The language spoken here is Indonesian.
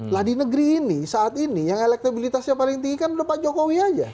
lah di negeri ini saat ini yang elektabilitasnya paling tinggi kan udah pak jokowi aja